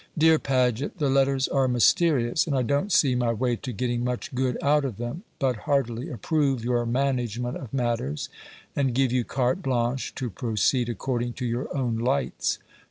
DEAR PAGET, The letters are mysterious, and I don't see my way to getting much good out of them, but heartily approve your management of matters, and give you carte blanche to proceed, according to your own lights.